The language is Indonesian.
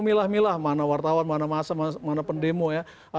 milah milah mana wartawan mana masa mana pendemo ya